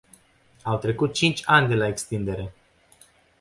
Au trecut cinci ani de la extindere.